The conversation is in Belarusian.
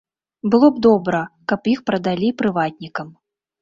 Было б добра, каб іх прадалі прыватнікам.